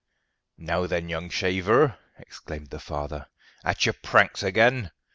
"Now then, young shaver," exclaimed the father, "at your pranks again!